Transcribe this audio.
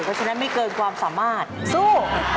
เพราะฉะนั้นไม่เกินความสามารถสู้